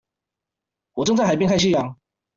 我正在海邊看夕陽